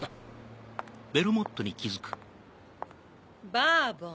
バーボン